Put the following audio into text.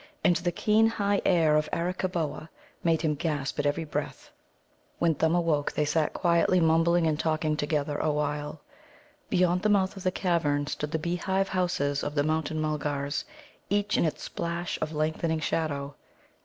And the keen high air of Arakkaboa made him gasp at every breath. When Thumb awoke they sat quietly mumbling and talking together a while. Beyond the mouth of the cavern stood the beehive houses of the Mountain mulgars, each in its splash of lengthening shadow.